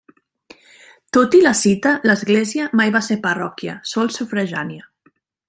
Tot i la cita, l'església mai va ser parròquia, sols sufragània.